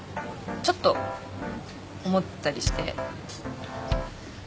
ちょっと思ったりして。